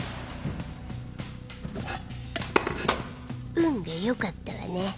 運が良かったわね。